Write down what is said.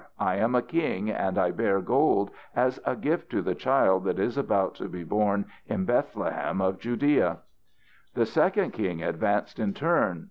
I am a king, and I bear gold as a gift to the child that is about to be born in Bethlehem of Judea." The second king advanced in turn.